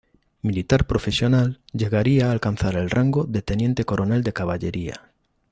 Militar profesional, llegaría a alcanzar el rango de teniente coronel de caballería.